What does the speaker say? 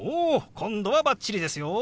今度はバッチリですよ。